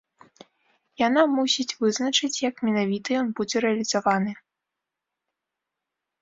Яна мусіць вызначыць, як менавіта ён будзе рэалізаваны.